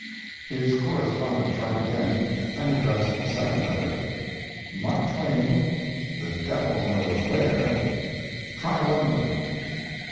His correspondent tried again, and addressed the second letter: MARK TWAIN, The Devil Knows Where, Try London.